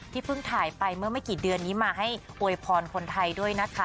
เพิ่งถ่ายไปเมื่อไม่กี่เดือนนี้มาให้อวยพรคนไทยด้วยนะคะ